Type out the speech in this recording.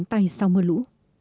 tài sao mơ lũ